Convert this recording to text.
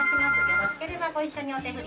よろしければご一緒にお手ふり。